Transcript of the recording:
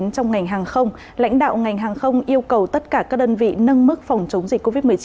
trong ngành hàng không lãnh đạo ngành hàng không yêu cầu tất cả các đơn vị nâng mức phòng chống dịch covid một mươi chín